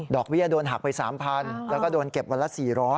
เบี้ยโดนหักไป๓๐๐๐แล้วก็โดนเก็บวันละ๔๐๐